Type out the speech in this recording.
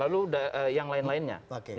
lalu yang lain lainnya